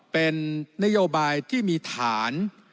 เป็นนโยบายที่มีฐาน